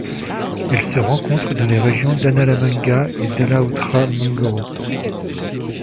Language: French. Elle se rencontre dans les régions d'Analamanga et d'Alaotra-Mangoro.